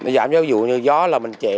giảm cho ví dụ như gió là mình chạy